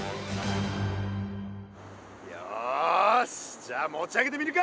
じゃあ持ち上げてみるか。